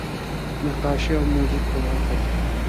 نقاشۍ او موزیک په برخه کې.